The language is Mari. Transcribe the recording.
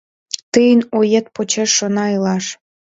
Тыйын оет почеш шона илаш...